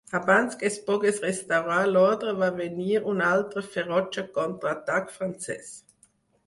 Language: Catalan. Abans que es pogués restaurar l'ordre va venir un altre ferotge contraatac francès.